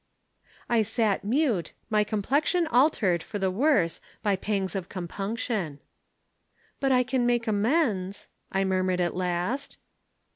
"I sat mute, my complexion altered for the worse by pangs of compunction. "'But I can make amends,' I murmured at last.